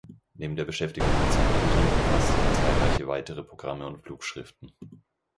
Neben der Beschäftigung mit seinen Ämtern verfasste er zahlreiche weitere Programme und Flugschriften.